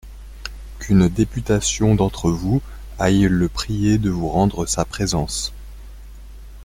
Qu'une députation d'entre vous aille le prier de vous rendre sa présence.